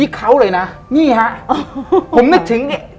คือ